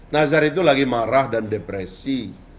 nazar itu lagi marah dan depresi